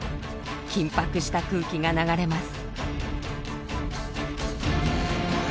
緊迫した空気が流れます。